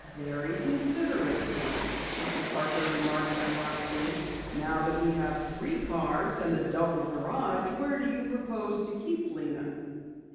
"Very considerate of him," Mr. Parker remarked ironically. "Now that we have three cars, and a double garage, where do you propose to keep Lena?"